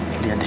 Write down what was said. sini sini dek